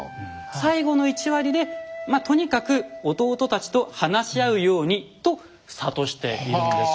最後の１割でまあとにかく弟たちと話し合うようにと諭しているんです。